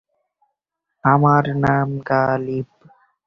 স্পষ্ট কোন নিয়ম-কানুন না থাকায় এ ধরনের ঘটনাগুলো ঘটেছে।